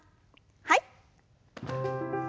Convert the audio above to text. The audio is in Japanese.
はい。